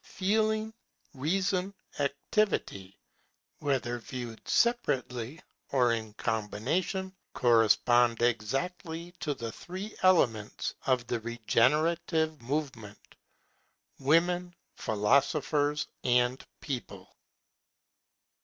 Feeling, Reason, Activity, whether viewed separately or in combination, correspond exactly to the three elements of the regenerative movement, Women, Philosophers, and People.